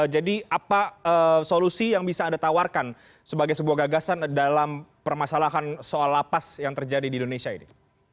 jadi apa solusi yang bisa anda tawarkan sebagai sebuah gagasan dalam permasalahan soal lapas yang terjadi di indonesia ini